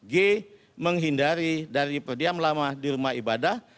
g menghindari dari perdiam lama di rumah ibadah